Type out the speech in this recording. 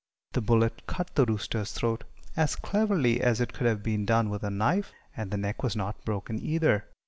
The bullet cut the rooster's throat as cleverly as it could have been done with a knife, and the neck was not broken either.